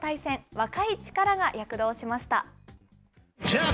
若い力が躍動しました。